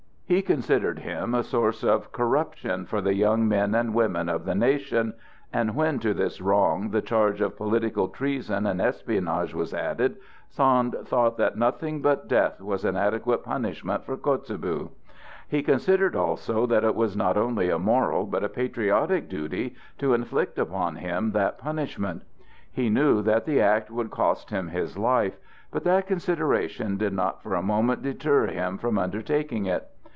He considered him a source of corruption for the young men and women of the nation, and when to this wrong the charge of political treason and espionage was added, Sand thought that nothing but death was an adequate punishment for Kotzebue. He considered also that it was not only a moral, but a patriotic duty to inflict upon him that punishment. He knew that the act would cost him his life, but that consideration did not for a moment deter him from undertaking it.